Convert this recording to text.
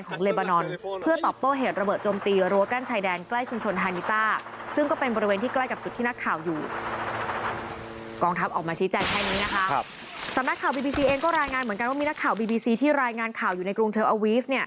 กองทัพออกมาชี้แจงแค่นี้นะคะสำนักข่าวบีบีซีเองก็รายงานเหมือนกันว่ามีนักข่าวบีบีซีที่รายงานข่าวอยู่ในกรุงเทอร์อวีฟเนี่ย